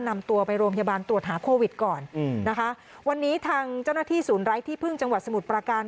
นำตัวไปโรงพยาบาลตรวจหาโควิดก่อนอืมนะคะวันนี้ทางเจ้าหน้าที่ศูนย์ไร้ที่พึ่งจังหวัดสมุทรประการ